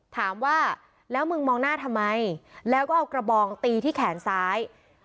ถามว่าแล้วมึงมองหน้าทำไมแล้วก็เอากระบองตีที่แขนซ้าย